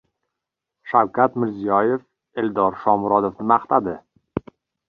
Shavkat Mirziyoyev Eldor Shomurodovni maqtadi